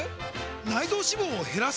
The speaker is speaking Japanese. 内臓脂肪を減らす！？